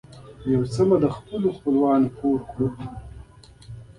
څه مې له خپلو خپلوانو پور کړې.